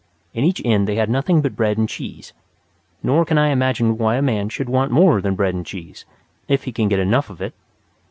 In each inn they had nothing but bread and cheese; nor can I imagine why a man should want more than bread and cheese, if he can get enough of it.